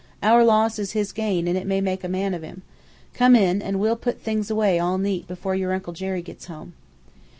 Our loss is his gain and it may make a man of him. Come in, and we'll put things away all neat before your Uncle Jerry gets home."